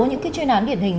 những chuyên án điển hình